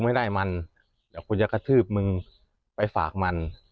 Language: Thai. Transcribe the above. ไปฝากมันกลิ้นผักหรืออยากจะกระทืบมึงไปฝากมัน